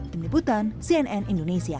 peniputan cnn indonesia